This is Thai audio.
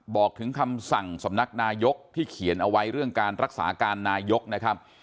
บอกถึงคำสั่งสำนักนายกที่เขียนเอาไว้เรื่องการรักษาการนายกนะครับ